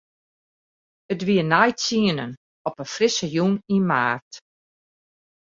It wie nei tsienen op in frisse jûn yn maart.